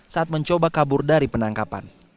saat mencoba kabur dari penangkapan